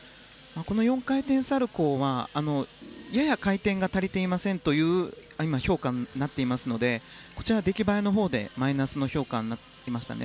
４回転サルコウはやや回転が足りていませんという評価になっていますので出来栄えのほうでマイナスの評価になりましたね。